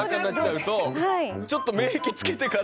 ちょっと免疫つけてから。